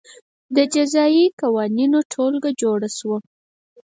د جزايي قوانینو ټولګه جوړه شوه.